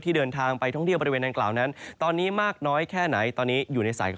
ที่อยู่ในบริเวณจังหวัดเรยนะคะ